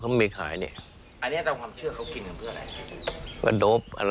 เขามีขายเนี่ยอันนี้ตามความเชื่อเขากินกันเพื่ออะไร